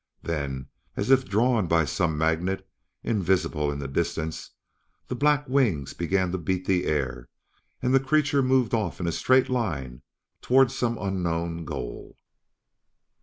Then, as if drawn by some magnet, invisible in the distance, the black wings began to beat the air, and the creature moved off in a straight line toward some unknown goal.